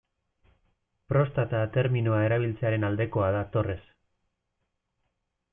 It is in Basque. Prostata terminoa erabiltzearen aldekoa da Torres.